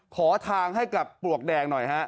ขอทางให้กับปลวกแดงหน่อยฮะ